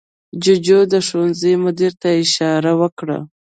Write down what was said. جوجو د ښوونځي مدیر ته اشاره وکړه.